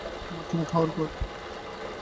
আমরা চুমু খাওয়ার পর।